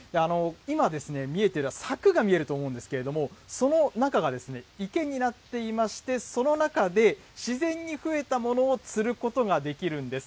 今ですね、見えている、柵が見えると思うんですけれども、その中が池になっていまして、その中で、自然に増えたものを釣ることができるんです。